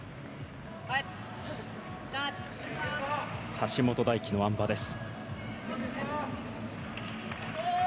橋本大輝のあん馬です。